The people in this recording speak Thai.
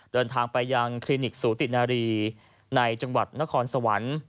เดินทางไปยังคลินิกสูตินารีในจังหวัดนครสวรรค์